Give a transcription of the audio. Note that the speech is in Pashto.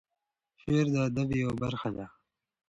شعر د ادب یوه برخه ده.